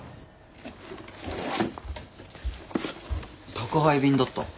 宅配便だった。